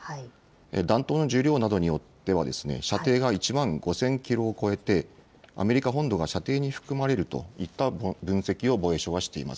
弾頭の重量などによっては射程が１万５０００キロを超えてアメリカ本土が射程に含まれるといった分析を防衛省はしています。